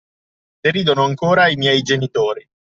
Deridono ancora i miei genitori.